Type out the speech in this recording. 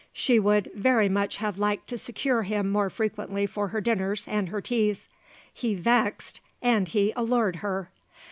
She would very much have liked to secure him more frequently for her dinners and her teas. He vexed and he allured her.